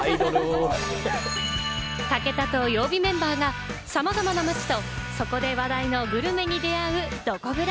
武田と曜日メンバーがさまざまな街と、そこで話題のグルメに出会う、どこブラ。